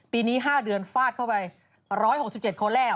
ปีนี้๕เดือนฟาดเข้าไป๑๖๗คนแรก